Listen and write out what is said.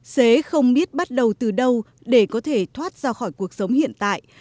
xế không biết bắt đầu từ đâu để có thể thoát ra khỏi cuộc sống hiện tại